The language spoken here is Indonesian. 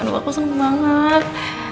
aduh aku seneng banget